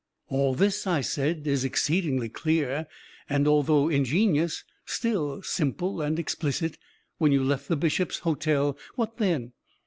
"All this," I said, "is exceedingly clear, and, although ingenious, still simple and explicit. When you left the Bishop's Hotel, what then?"